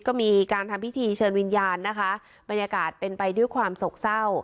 ก็มีการทำพิธีเชิญวิญญาณนะคะบรรยากาศเป็นไปด้วยความโศกเศร้า